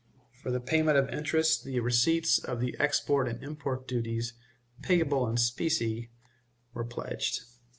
For the payment of interest the receipts of the export and import duties, payable in specie, were pledged.